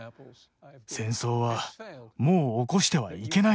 戦争はもう起こしてはいけないのです。